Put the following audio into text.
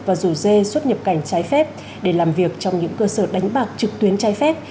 và rủ dê xuất nhập cảnh trái phép để làm việc trong những cơ sở đánh bạc trực tuyến trái phép